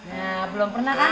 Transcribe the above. nah belum pernah kan